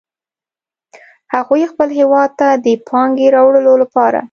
هغوی خپل هیواد ته د پانګې راوړلو لپاره